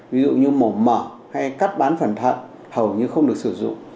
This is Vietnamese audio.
ví dụ như mổ mở hay cắt bán phần thận hầu như không được sử dụng